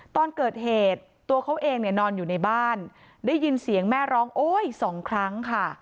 ตอนเกิดเหตุตัวเขาเองเนี่ยนอนอยู่ในบ้านได้ยินเสียงแม่ร้องโอ๊ยสองครั้งค่ะ